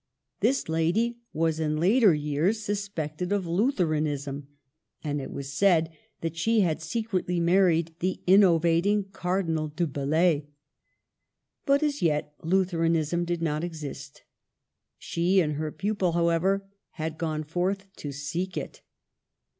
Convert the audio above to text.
This lady was in later years suspected of Luthcranism, and it was said that she had secretly married the innovating Cardinal du Bellay. But as yet Lutheranism did not exist. She and her pupil, however, had gone forth to seek it.